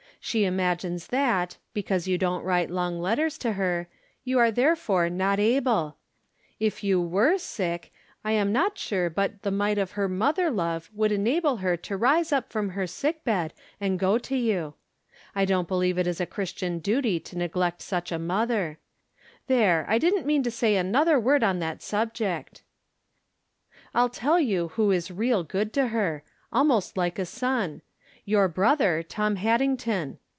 She imagines that, because you don't write long letters to her, you are therefore not able. If you were sick, I am not sure but the might of her mother love would 216 From Different Standpoints. 217 enable lier to rise up from her sick bed and go to you. I don't believe it is a Christian duty to neglect such a mother. There, I didn't mean to say another word on that subject ! I'll tell you who is real good to her — almost like a son — your brother, Tom Haddington.